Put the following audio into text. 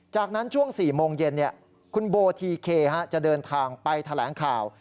จากนั้นช่วง๔โมงเย็นคุณโบทีเคจะเดินทางไปแถลงข่าว